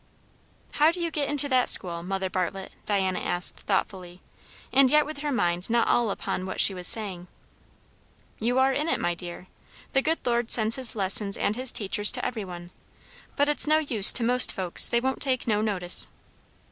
"How do you get into that school, Mother Bartlett?" Diana asked thoughtfully, and yet with her mind not all upon what she was saying, "You are in it, my dear. The good Lord sends his lessons and his teachers to every one; but it's no use to most folks; they won't take no notice."